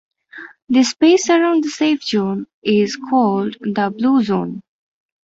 That space around the safe zone is called the blue zone.